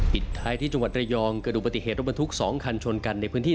ท้ายที่จังหวัดระยองเกิดดูปฏิเหตุรถบรรทุก๒คันชนกันในพื้นที่